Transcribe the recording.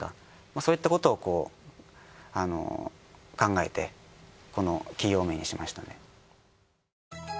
そういったことをこう考えてこの企業名にしましたね。